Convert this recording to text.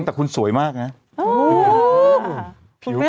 แต่คุณสวยมากนะ